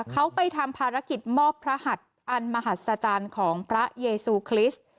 เขาไปทำภารกิจมอบพระหัดอันมหัศจรรย์ของพระเยซูคริสต์